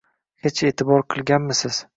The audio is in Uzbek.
Hech e`tibor qilganmisiz